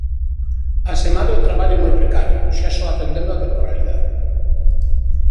Asemade, o traballo é moi precario, xa só atendendo á temporalidade.